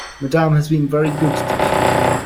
Madame had been very good to me.